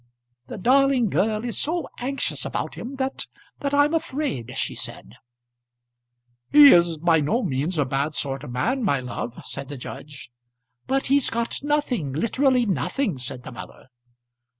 "The darling girl is so anxious about him, that that I'm afraid," said she. "He's by no means a bad sort of man, my love," said the judge. "But he's got nothing literally nothing," said the mother.